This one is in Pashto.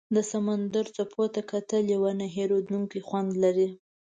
د سمندر څپو ته کتل یو نه هېریدونکی خوند لري.